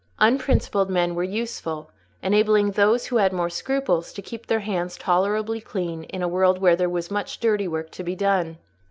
Unprincipled men were useful, enabling those who had more scruples to keep their hands tolerably clean in a world where there was much dirty work to be done.